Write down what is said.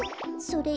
それ！